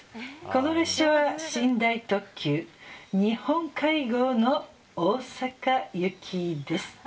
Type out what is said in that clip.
この列車は寝台特急日本海号の大阪行きです。